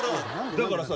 だからさ